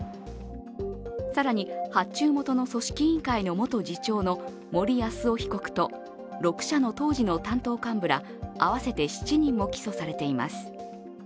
更に、発注元の組織委員会の元次長の森泰夫被告と６社の当時の担当幹部ら合わせて７人も起訴されています。